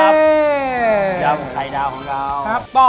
ยำไข่ดาวของเรา